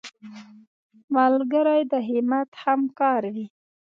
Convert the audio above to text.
ملګری د همت همکار وي